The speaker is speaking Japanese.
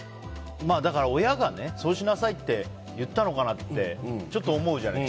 だから親がそうしなさいって言ったのかなってちょっと思うじゃない。